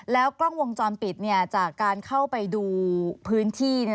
แล้วกล้องวงจรปิดจากการเข้าไปดูพื้นที่